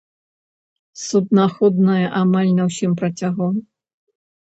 Суднаходная амаль на ўсім працягу.